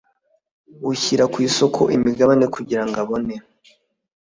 ushyira ku isoko imigabane kugira ngo abone